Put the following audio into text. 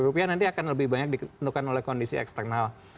rupiah nanti akan lebih banyak ditentukan oleh kondisi eksternal